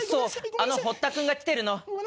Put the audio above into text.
あのホッタ君が来てるの。